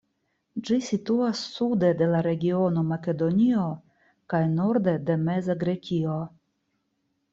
Ĝi situas sude de la regiono Makedonio kaj norde de Meza Grekio.